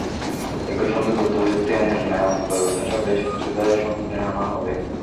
একই সঙ্গে তথ্যপ্রযুক্তি আইনের নাম পরিবর্তনসহ বেশ কিছু ধারায় সংশোধনী আনা হবে।